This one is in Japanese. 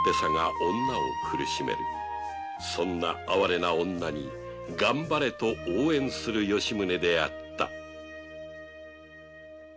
そんなあわれな女に頑張れと応援する吉宗であった